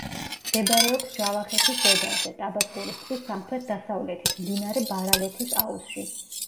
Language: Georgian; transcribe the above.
მდებარეობს ჯავახეთის ზეგანზე, ტაბაწყურის ტბის სამხრეთ–დასავლეთით, მდინარე ბარალეთის აუზში.